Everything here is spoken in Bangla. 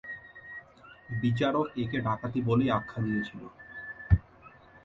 বিচারক একে ডাকাতি বলেই আখ্যা দিয়েছিল।